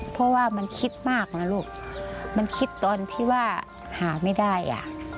เพราะว่ามันคิดมากนะลูกมันคิดตอนที่ว่าหาไม่ได้อ่ะ